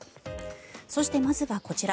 そして、まずはこちら。